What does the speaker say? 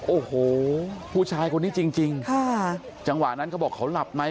โอ้โหผู้ชายคนนี้จริงจริงค่ะจังหวะนั้นเขาบอกเขาหลับใน